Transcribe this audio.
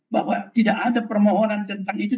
bahwa tidak ada permohonan tentang itu